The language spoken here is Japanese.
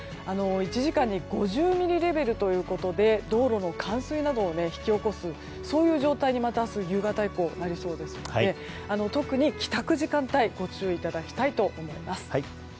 １時間に５０ミリレベルということで、道路の冠水などを引き起こす状態に明日夕方以降なりそうですので特に帰宅時間帯ご注意いただきたいと思います。